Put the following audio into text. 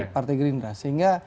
partai gerindra sehingga